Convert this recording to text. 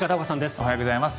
おはようございます。